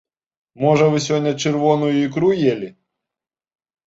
Можа вы сёння чырвоную ікру елі?